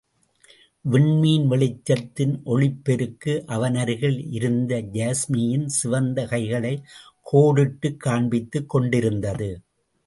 விண்மீன் வெளிச்சத்தின் ஒளிப்பெருக்கு, அவனருகில் இருந்த யாஸ்மியின் சிவந்த கைகளைக் கோடிட்டுக் காண்பித்துக் கொண்டிருந்தது.